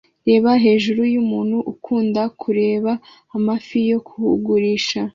Reba hejuru yumuntu ukunda kuroba amafi yo kugurisha